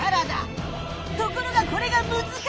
ところがこれがむずかしい！